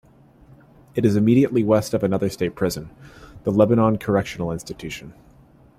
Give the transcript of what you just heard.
It is immediately west of another state prison, the Lebanon Correctional Institution.